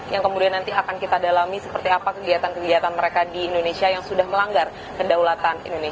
demikian terima kasih selamat